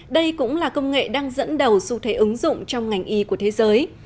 đây cũng là công nghệ đang dẫn đầu xu thế ứng dụng trong ngành y của thế giới